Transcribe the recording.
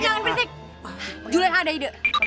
juli yang nggak ada ide